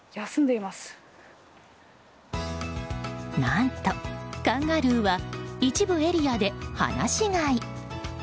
何と、カンガルーは一部エリアで放し飼い。